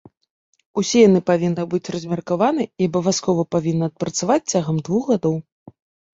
Усе яны павінны быць размеркаваны і абавязкова павінны адпрацаваць цягам двух гадоў.